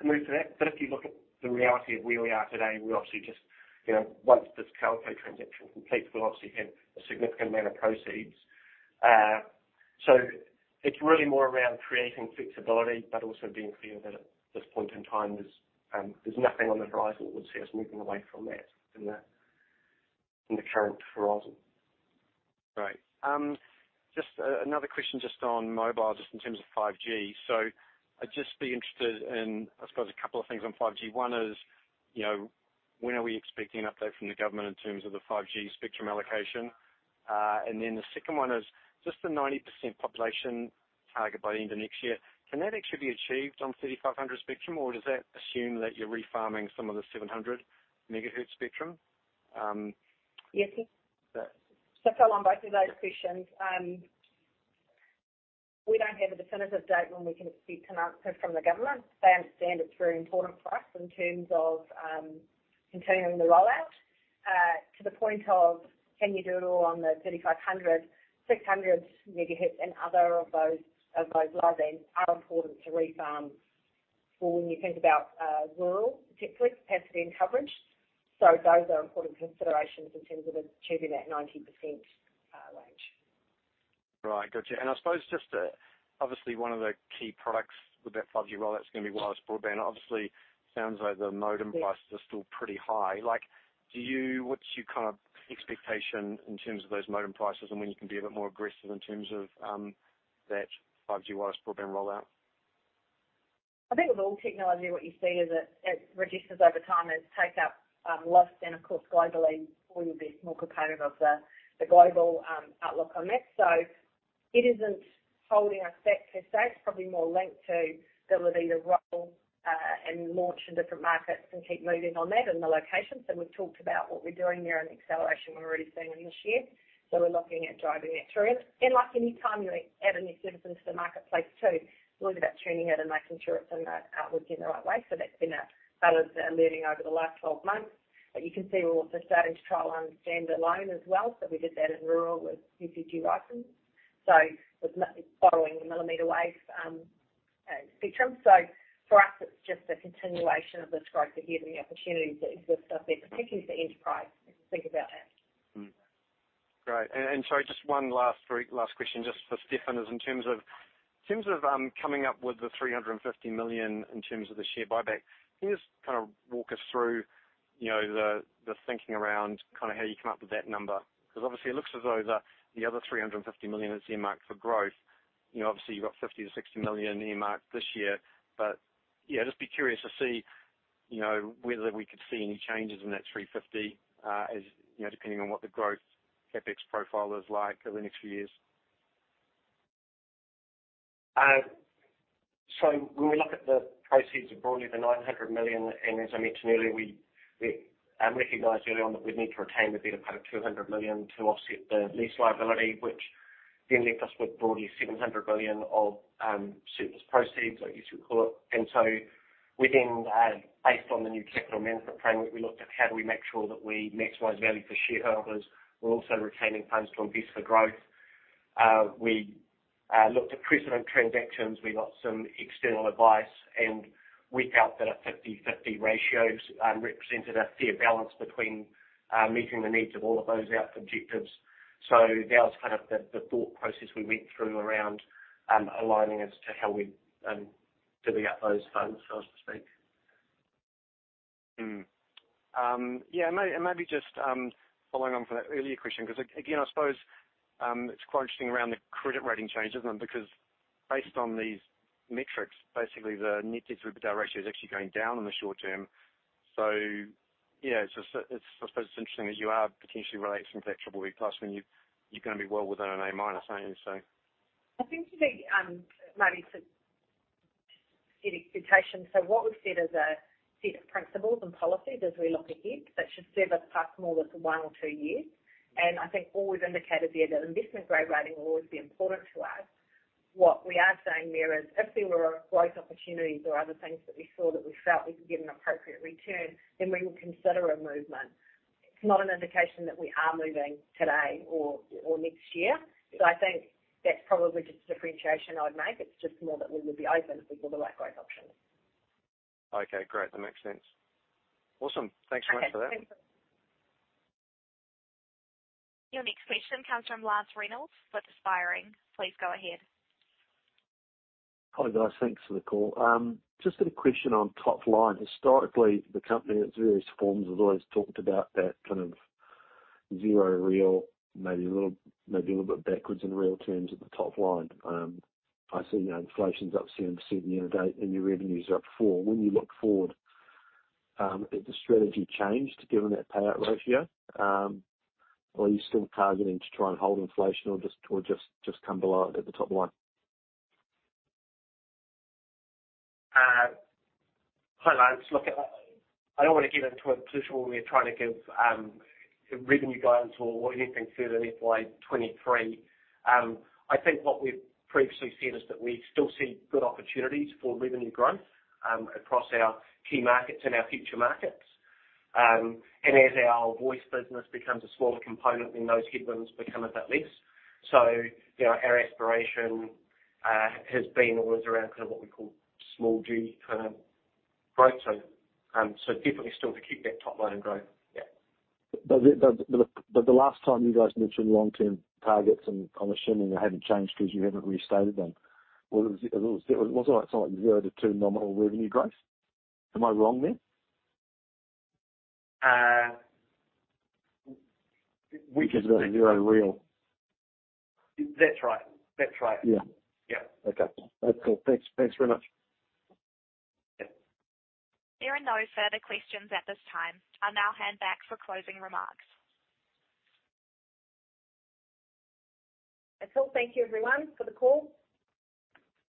to move to that. If you look at the reality of where we are today, we obviously just, you know, once this TowerCo transaction completes, we'll obviously have a significant amount of proceeds. It's really more around creating flexibility, but also being clear that at this point in time, there's nothing on the horizon that would see us moving away from that in the current horizon. Right. Just, another question just on mobile, just in terms of 5G. I'd just be interested in, I suppose a couple of things on 5G. One is, you know, when are we expecting an update from the government in terms of the 5G spectrum allocation? And then the second one is just the 90% population target by the end of next year. Can that actually be achieved on 350MHz spectrum, or does that assume that you're refarming some of the 700 MHz spectrum? Yes. Yes. Phil, on both of those questions, we don't have a definitive date when we can expect an announcement from the government. They understand it's very important for us in terms of continuing the rollout to the point of can you do it all on the 350, 600MHz and other of those licenses are important to refarm for when you think about rural capacity and coverage. Those are important considerations in terms of achieving that 90% range. Right. Gotcha. I suppose just, obviously one of the key products with that 5G rollout is gonna be wireless broadband. Obviously sounds like the modem prices. Yes. are still pretty high. Like, what's your kind of expectation in terms of those modem prices and when you can be a bit more aggressive in terms of that 5G wireless program rollout? I think with all technology, what you see is it reduces over time as take-up lasts. Of course, globally, we would be more competitive in the global outlook on that. It isn't holding us back per se. It's probably more linked to the ability to roll out and launch in different markets and keep moving on that and the locations. We've talked about what we're doing there and the acceleration we're already seeing this year. We're looking at driving that through. Like any time you're adding new services to the marketplace too, it's always about tuning it and making sure it's outward in the right way. That's been a balance that we're learning over the last 12 months. You can see we're also starting to trial standalone as well. We did that in rural with UGG license, so with following the mm wave spectrum. For us, it's just a continuation of this growth and giving the opportunities that exist out there, particularly for enterprise, if you think about that. Sorry, just one last very last question just for Stefan, is in terms of coming up with the 350 million in terms of the share buyback, can you just kind of walk us through you know the thinking around kinda how you come up with that number? Because obviously it looks as though the other 350 million is earmarked for growth. You know, obviously you've got 50 million-60 million earmarked this year. But yeah, just be curious to see you know whether we could see any changes in that 350 as you know depending on what the growth CapEx profile is like over the next few years. When we look at the proceeds of broadly 900 million, and as I mentioned earlier, we recognized early on that we'd need to retain a bit of kind of 200 million to offset the lease liability, which then left us with broadly 700 million of surplus proceeds, I guess you'd call it. We based on the new capital management framework, we looked at how do we make sure that we maximize value for shareholders. We're also retaining funds to invest for growth. We looked at precedent transactions. We got some external advice, and we felt that a 50/50 ratio represented a fair balance between meeting the needs of all of those our objectives. That was kind of the thought process we went through around aligning as to how we divvy up those funds, so to speak. Maybe just following on from that earlier question, 'cause again, I suppose, it's quite interesting around the credit rating changes and because based on these metrics, basically the net debt to EBITDA ratio is actually going down in the short term. Yeah, it's just, I suppose it's interesting that you are potentially rating to BBB+ when you're gonna be well within an A-, aren't you? I think you know, maybe to set expectations. What we've said is a set of principles and policies as we look ahead that should serve us far more than one or two years. I think all we've indicated there that investment grade rating will always be important to us. What we are saying there is if there were growth opportunities or other things that we saw that we felt we could get an appropriate return, then we will consider a movement. It's not an indication that we are moving today or next year. I think that's probably just a differentiation I would make. It's just more that we would be open if we saw the right growth options. Okay, great. That makes sense. Awesome. Thanks so much for that. Okay, thanks. Your next question comes from Lance Reynolds with Aspiring. Please go ahead. Hi, guys. Thanks for the call. Just a question on top line. Historically, the company in its various forms has always talked about that kind of zero real, maybe a little, maybe a little bit backwards in real terms at the top line. I see now inflation's up 7% year to date, and your revenue is up 4%. When you look forward, has the strategy changed given that payout ratio? Are you still targeting to try and hold inflation or just come below it at the top line? Hi, Lance. Look, I don't want to get into a position where we're trying to give revenue guidance or anything further in FY 2023. I think what we've previously said is that we still see good opportunities for revenue growth across our key markets and our future markets. As our voice business becomes a smaller component, then those headwinds become a bit less. You know, our aspiration has been always around kind of what we call small D kind of growth. Definitely still to keep that top line in growth. Yeah. The last time you guys mentioned long-term targets, and I'm assuming they haven't changed because you haven't restated them, was it like something 0%-2% nominal revenue growth? Am I wrong there? Uh, we just- 0 real. That's right. That's right. Yeah. Yeah. Okay. That's cool. Thanks. Thanks very much. Yeah. There are no further questions at this time. I'll now hand back for closing remarks. That's all. Thank you everyone for the call.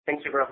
Thank you for having us.